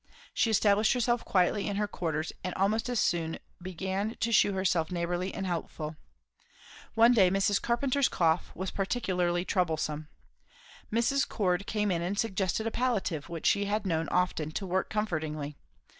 She established herself quietly in her quarters and almost as soon began to shew herself neighbourly and helpful. One day Mrs. Carpenter's cough was particularly troublesome. Mrs. Cord came in and suggested a palliative which she had known often to work comfortingly.